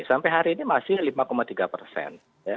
sampai hari ini masih lima tiga persen